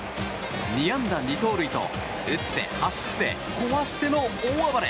２安打２盗塁と打って走って壊しての大暴れ。